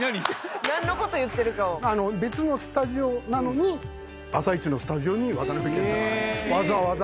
別のスタジオなのに『あさイチ』のスタジオに渡辺謙さんがわざわざ。